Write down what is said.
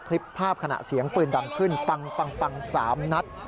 คลิปภาพขณะเสียงปืนดังขึ้นปัง๓นัด